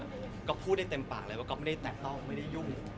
ก็พูดได้เต็มปากเลยว่าก๊อไม่ได้แตะต้องไม่ได้ยุ่ง